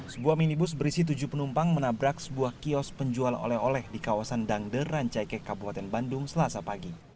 sebuah minibus berisi tujuh penumpang menabrak sebuah kios penjual oleh oleh di kawasan dangder rancaikek kabupaten bandung selasa pagi